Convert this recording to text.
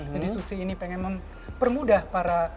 jadi sushi ini pengen mempermudah para